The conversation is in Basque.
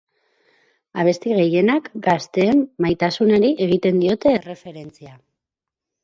Abesti gehienak gazteen maitasunari egiten diote erreferentzia.